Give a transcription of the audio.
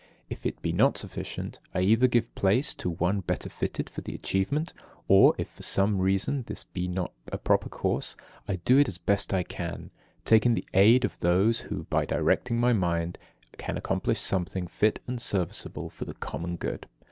If it be not sufficient, I either give place to one better fitted for the achievement, or, if for some reason this be not a proper course, I do it as best I can, taking the aid of those who, by directing my mind, can accomplish something fit and serviceable for the common good.